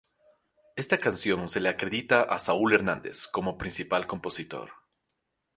Esta canción se le acredita a Saúl Hernández como principal compositor.